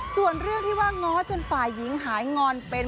ส่วนเรื่องที่ว่าง้อจนฝ่ายหญิงหายงอนเป็น